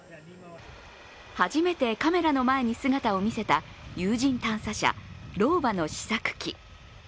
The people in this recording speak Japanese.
初めてカメラの前に姿を見せた有人探査車＝ローバの試作機。